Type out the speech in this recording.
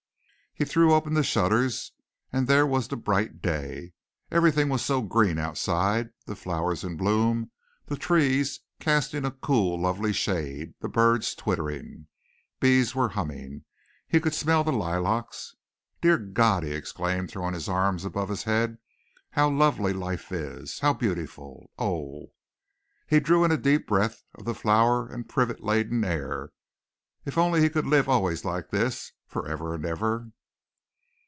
He threw open the shutters and there was the bright day. Everything was so green outside, the flowers in bloom, the trees casting a cool, lovely shade, the birds twittering. Bees were humming. He could smell the lilacs. "Dear God," he exclaimed, throwing his arms above his head, "How lovely life is! How beautiful! Oh!" He drew in a deep breath of the flower and privet laden air. If only he could live always like this for ever and ever.